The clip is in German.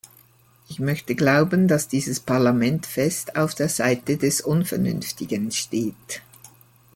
Ich möchte glauben, dass dieses Parlament fest auf der Seite des Unvernünftigen steht.